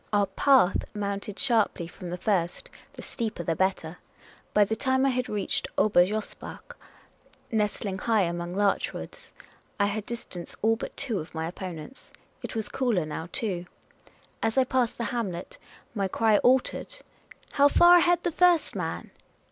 Our path mounted sharply from the first ; the steeper the better. By the time I had reached Ober Josbach, nestling high among larch woods, I had dis tanced all but two of my opponents. It was cooler now too. As I passed the hamlet my cry altered. *' How far ahead the first man